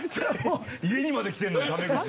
家にまで来てんのにタメ口。